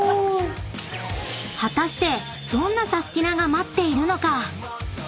［果たしてどんなサスティな！が待っているのか？］